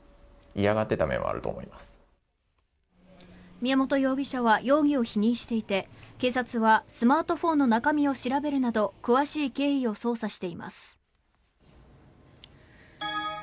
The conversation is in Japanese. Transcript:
宮本容疑者は容疑を否認していて警察はスマートフォンの中身を調べるなど詳しい経緯を捜査しています。